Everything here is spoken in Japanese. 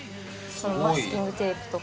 マスキングテープとか。